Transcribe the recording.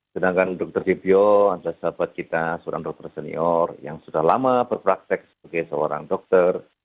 sedangkan dr debbio adalah sahabat kita seorang dokter senior yang sudah lama berpraktek sebagai seorang dokter